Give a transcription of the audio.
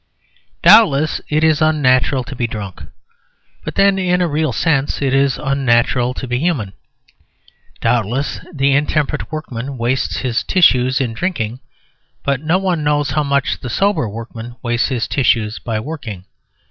Doubtless, it is unnatural to be drunk. But then in a real sense it is unnatural to be human. Doubtless, the intemperate workman wastes his tissues in drinking; but no one knows how much the sober workman wastes his tissues by working.